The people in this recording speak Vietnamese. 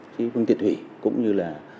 phương tiện thủy cũng như là